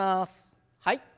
はい。